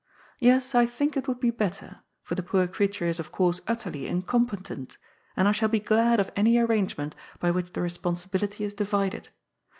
Yes, I think it would be better, for the poor creature is of course utterly incom petent, and I shall be glad of any arrangement by which the responsibility is divided.